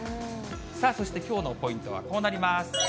さあそして、きょうのポイントはこうなります。